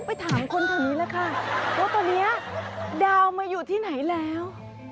เพราะตอนนี้ดาวมาอยู่ที่ไหนแล้ว